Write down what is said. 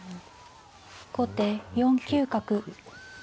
後手４九角。